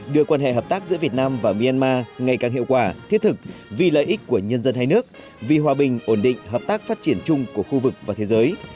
đưa quan hệ hợp tác giữa việt nam và myanmar ngày càng hiệu quả thiết thực vì lợi ích của nhân dân hai nước vì hòa bình ổn định hợp tác phát triển chung của khu vực và thế giới